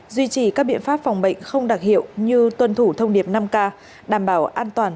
duy trì các biện pháp phòng bệnh không đặc hiệu như tuân thủ thông điệp năm k đảm bảo an toàn